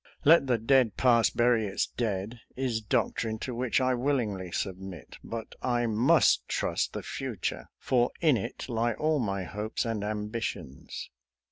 " Let the dead past bury its dead " is doctrine to which I willingly submit, but / must trust the future, for in it lie all my hopes and ambitions.